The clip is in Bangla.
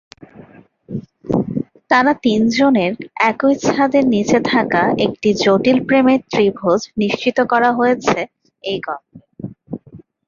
তারা তিন জনের একই ছাদের নিচে থাকা একটি জটিল প্রেমের ত্রিভুজ নিশ্চিত করা হয়েছে এই গল্পে।